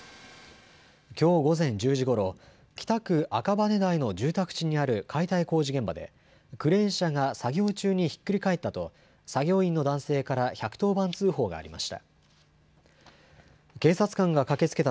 きょう午前１０時ごろ、北区赤羽台の住宅地にある解体工事現場でクレーン車が作業中にひっくり返ったと作業員の男性から１１０番通報がありました。